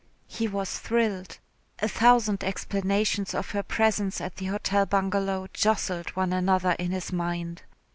He was thrilled. A thousand explanations of her presence at the Hotel Bungalow jostled one another in his mind.